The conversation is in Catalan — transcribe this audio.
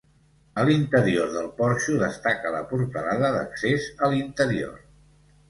A l'interior del porxo destaca la portalada d'accés a l'interior.